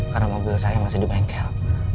karena mobil saya masih di bengkel